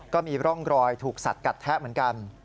ก็มีร่องรอยถูกสัดกัดแทะเหมือนกัน